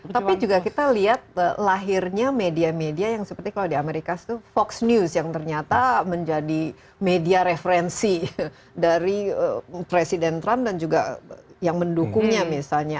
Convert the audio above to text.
tapi juga kita lihat lahirnya media media yang seperti kalau di amerika itu fox news yang ternyata menjadi media referensi dari presiden trump dan juga yang mendukungnya misalnya